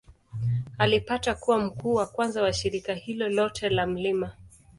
Alipata kuwa mkuu wa kwanza wa shirika hilo lote la Mt.